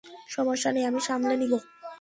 সমস্যা নেই, আমি সামলে নিব।